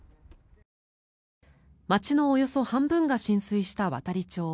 町のおよそ半分が浸水した亘理町。